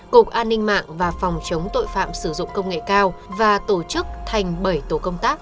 cục an ninh mạng và phòng chống tội phạm sử dụng công nghệ cao và tổ chức thành bảy tổ công tác